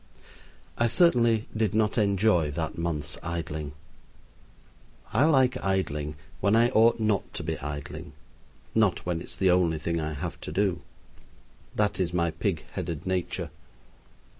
I certainly did not enjoy that month's idling. I like idling when I ought not to be idling; not when it is the only thing I have to do. That is my pig headed nature.